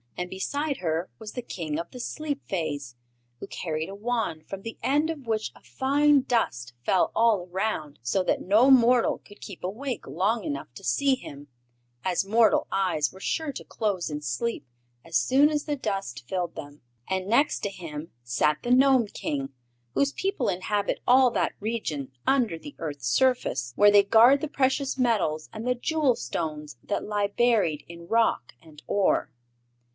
And beside her was the King of the Sleep Fays, who carried a wand from the end of which a fine dust fell all around, so that no mortal could keep awake long enough to see him, as mortal eyes were sure to close in sleep as soon as the dust filled them. And next to him sat the Gnome King, whose people inhabit all that region under the earth's surface, where they guard the precious metals and the jewel stones that lie buried in rock and ore.